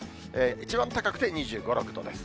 一番高くて２５、６度です。